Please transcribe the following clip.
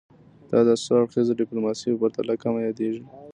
دا د څو اړخیزه ډیپلوماسي په پرتله کمه یادیږي